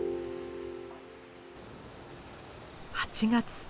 ８月。